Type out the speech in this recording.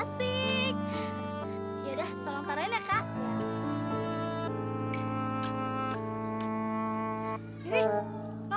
film dan desain banget aja eh wifi